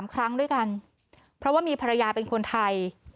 ๓ครั้งด้วยกันเพราะว่ามีภรรยาเป็นคนไทย